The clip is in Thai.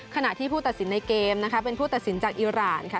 ขณะที่ผู้ตัดสินในเกมนะคะเป็นผู้ตัดสินจากอิราณค่ะ